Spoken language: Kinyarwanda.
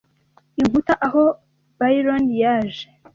Inkuta aho Byron yaje,